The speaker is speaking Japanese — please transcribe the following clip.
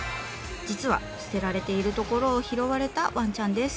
実は捨てられているところを拾われたわんちゃんです。